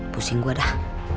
pusing gue dah